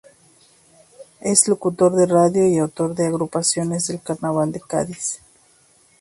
Es locutor de radio y autor de agrupaciones del carnaval de Cádiz.